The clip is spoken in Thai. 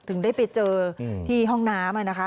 ถึงได้ไปเจอที่ห้องน้ำนะคะ